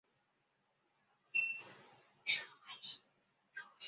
正因乡民社会被包含于整体的大社会。